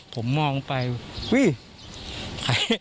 ผมมองไปว้ี่